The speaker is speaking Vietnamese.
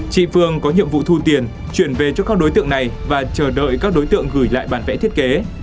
chị phương có nhiệm vụ thu tiền chuyển về cho các đối tượng này và chờ đợi các đối tượng gửi lại bản vẽ thiết kế